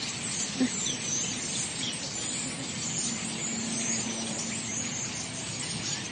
যুক্তরাষ্ট্রের একটি সড়ক বন্ধ করে বাংলা অনুষ্ঠানমালা কেবল প্রিয় বাংলাই করে থেকে।